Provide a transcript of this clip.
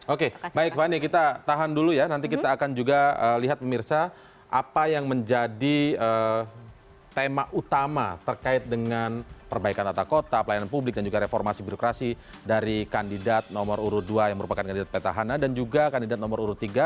oke baik fani kita tahan dulu ya nanti kita akan juga lihat pemirsa apa yang menjadi tema utama terkait dengan perbaikan tata kota pelayanan publik dan juga reformasi birokrasi dari kandidat nomor urut dua yang merupakan kandidat petahana dan juga kandidat nomor urut tiga